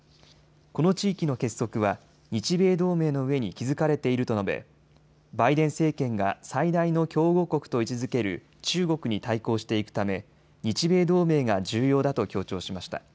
この地域の結束は日米同盟の上に築かれていると述べバイデン政権が最大の競合国と位置づける中国に対抗していくため日米同盟が重要だと強調しました。